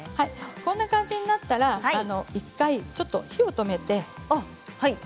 こんな感じになったらいったん火を止めて。